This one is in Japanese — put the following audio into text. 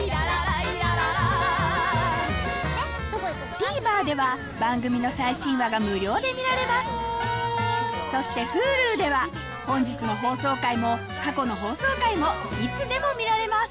ＴＶｅｒでは番組の最新話が無料で見られますそしてＨｕｌｕでは本日の放送回も過去の放送回もいつでも見られます